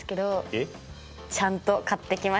えっ？ちゃんと買ってきましたよ。